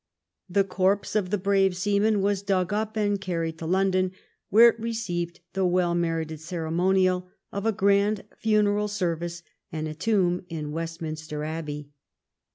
The corpse of the brave seaman was dug up and carried to London, where it received the well merited ceremonial of a grand funeral service and a tomb in Westminster Abbey.